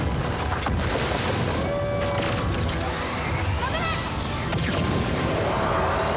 危ない！